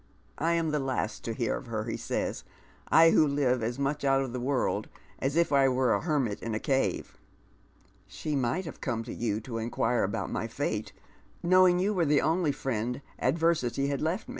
" I am the last to hear of her," he says, —" I who live as much out of the world as if I were a hermit in a cave." " She might have come to you to inquire about my fate, know ing you were the only fiiend adversity had left me."